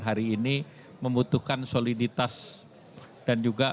hari ini membutuhkan soliditas dan juga